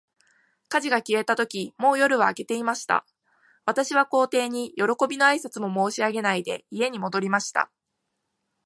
火事が消えたとき、もう夜は明けていました。私は皇帝に、よろこびの挨拶も申し上げないで、家に戻りました。